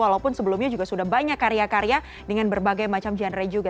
walaupun sebelumnya juga sudah banyak karya karya dengan berbagai macam genre juga